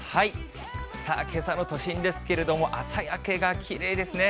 けさの都心ですけれども、朝焼けがきれいですね。